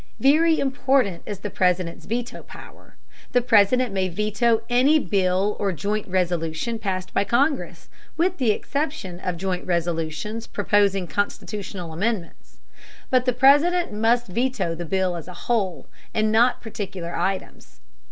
Very important is the President's veto power. The President may veto any bill or joint resolution passed by Congress, with the exception of joint resolutions proposing Constitutional amendments. But the President must veto the bill as a whole, and not particular items.